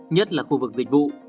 nhất là khu vực dịch vụ